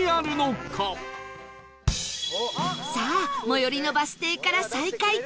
さあ最寄りのバス停から再開